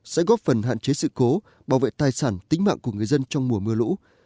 sẽ góp phần hạn chế sự cố bảo vệ tài sản tính mạng của người dân trong mùa mưa lũ